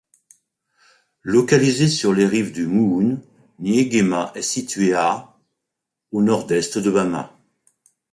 Localisée sur les rives du Mouhoun, Niéguéma est située à au nord-est de Bama.